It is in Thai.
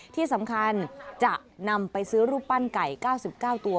ที่สำคัญจะนำไปซื้อรูปปั้นไก่๙๙ตัว